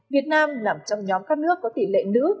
việt nam nằm trong nhóm các nước có tỷ lệ nữ